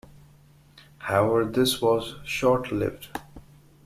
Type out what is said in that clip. However, this was short lived.